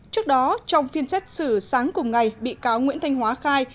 trước đó trong phiên xét xử sáng cùng ngày bị cáo nguyễn thanh hóa khai